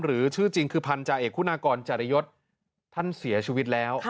ชื่อจริงคือพันธาเอกคุณากรจริยศท่านเสียชีวิตแล้ว